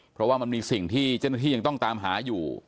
เพราะว่ามันมีสิ่งที่เจ้าหน้าที่ยังต้องตามหาอยู่